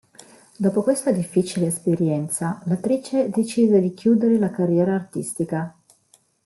Dopo questa difficile esperienza, l'attrice decise di chiudere la carriera artistica.